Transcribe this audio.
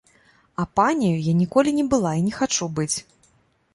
А паняю я ніколі не была і не хачу быць.